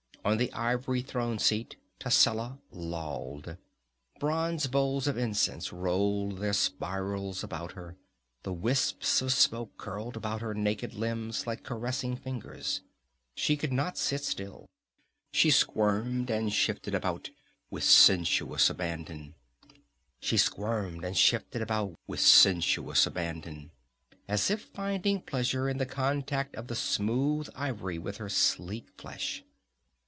On the ivory throne seat Tascela lolled. Bronze bowls of incense rolled their spirals about her; the wisps of smoke curled about her naked limbs like caressing fingers. She could not sit still; she squirmed and shifted about with sensuous abandon, as if finding pleasure in the contact of the smooth ivory with her sleek flesh.